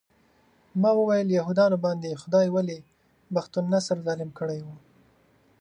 ما وویل یهودانو باندې خدای ولې بخت النصر ظالم کړی و.